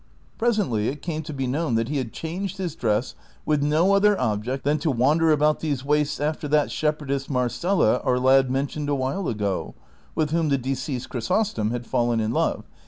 Presently it came to be known that he had changed his dress with no other object than to wander about these wastes after that shepherdess Marcela our lad mentioned a while ago, with whom the de ceased Chrysostom had fallen in love.